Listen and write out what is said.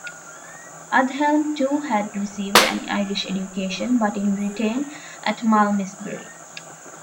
Aldhelm too had received an Irish education, but in Britain, at Malmesbury.